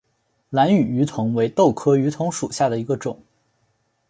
兰屿鱼藤为豆科鱼藤属下的一个种。